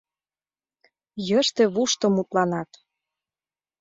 Йыште-вушто мутланат.